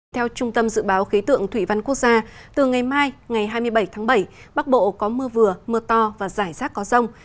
theo trung tâm dự báo khí tượng thủy văn quốc gia từ ngày mai ngày hai mươi bảy tháng bảy bắc bộ có mưa vừa mưa to và rải rác có rông